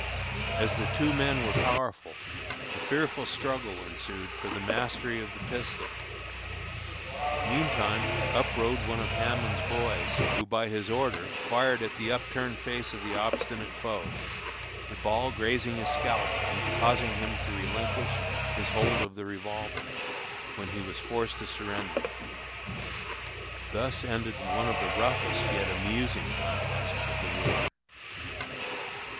As the two men were powerful, a fearful struggle ensued for the mastery of the pistol. Meantime up rode one of Hammond's boys, who, by his order, fired at the upturned face of the obstinate foe, the ball grazing his scalp and causing him to relinquish his hold of the revolver, when he was forced to surrender. Thus ended one of the roughest yet amusing contests of the war.